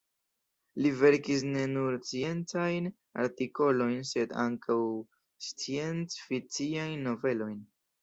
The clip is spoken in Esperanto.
Li verkis ne nur sciencajn artikolojn, sed ankaŭ scienc-fikciajn novelojn.